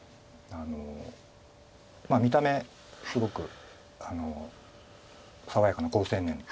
見た目すごく爽やかな好青年。